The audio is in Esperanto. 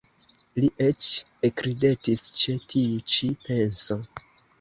Li eĉ ekridetis ĉe tiu ĉi penso.